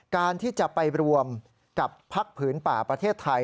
การที่จะไปรวมกับพักผืนป่าประเทศไทย